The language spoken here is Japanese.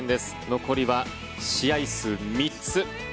残りは試合数３つ。